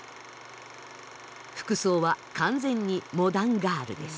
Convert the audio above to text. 服装は完全にモダンガールです。